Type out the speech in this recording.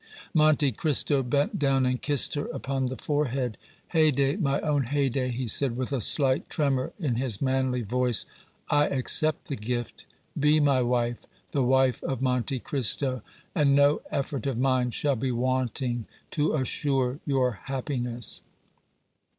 Monte Cristo bent down and kissed her upon the forehead. "Haydée, my own Haydée," he said, with a slight tremor in his manly voice, "I accept the gift. Be my wife, the wife of Monte Cristo, and no effort of mine shall be wanting to assure your happiness."